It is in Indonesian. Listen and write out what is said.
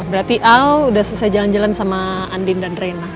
berarti aw udah selesai jalan jalan sama andin dan reina